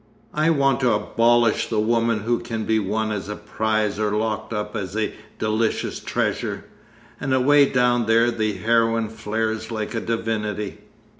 I want to abolish the woman who can be won as a prize or locked up as a delicious treasure. And away down there the heroine flares like a divinity.